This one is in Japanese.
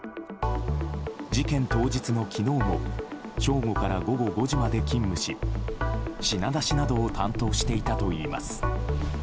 事件当日の昨日も正午から午後５時まで勤務し品出しなどを担当していたといいます。